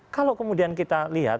kalau kemudian kita lihat